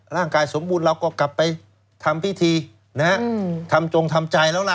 ร่างกายสมบูรณ์เราก็กลับไปทำพิธีนะฮะทำจงทำใจแล้วล่ะ